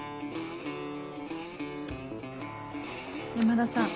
山田さん